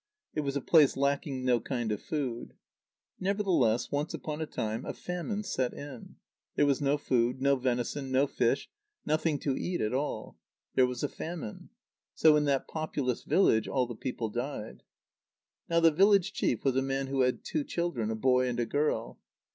It was a place lacking no kind of food. Nevertheless, once upon a time, a famine set in. There was no food, no venison, no fish, nothing to eat at all; there was a famine. So in that populous village all the people died. Now the village chief was a man who had two children, a boy and a girl.